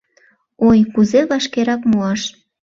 — Ой, кузе вашкерак муаш?